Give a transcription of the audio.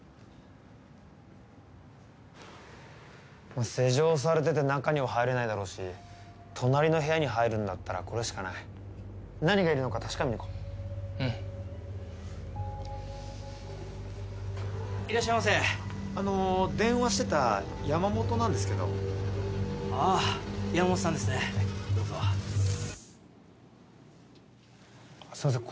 まっ施錠されてて中には入れないだろうし隣の部屋に入るんだったらこれしかない何がいるのか確かめに行こううんいらっしゃいませあの電話してた山本なんですけどああ山本さんですねどうぞすいません